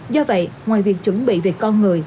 do vậy ngoài việc chuẩn bị về con người